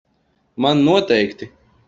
Man noteikti.